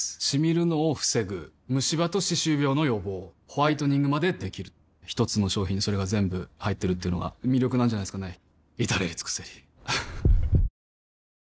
シミるのを防ぐムシ歯と歯周病の予防ホワイトニングまで出来る一つの商品にそれが全部入ってるっていうのが魅力なんじゃないですかね